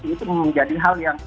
itu menjadi hal yang